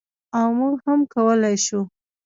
او موږ هم کولی شو.